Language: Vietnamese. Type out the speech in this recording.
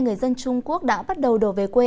người dân trung quốc đã bắt đầu đổ về quê